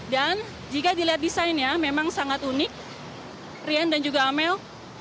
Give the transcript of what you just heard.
dan jika dilihat desainnya memang sangat unik rian dan juga amel